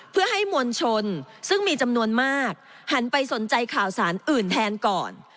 เพื่อให้มวลชนซึ่งมีจำนวนมากหันไปสนใจข่าวสารอื่นแทนก่อน